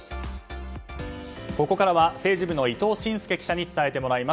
ここからは政治部の伊藤慎祐記者に伝えてもらいます。